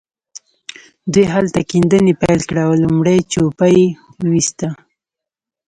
دوی هلته کيندنې پيل کړې او لومړۍ جوپه يې وويسته.